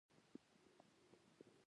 فرصت یوازې یو ځل راځي.